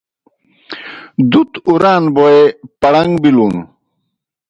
دُت اُران بوئے پڑن٘گ بِلُن۔